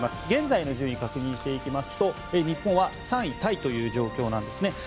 現在の順位を確認しておきますと日本は３位タイという状況なんです。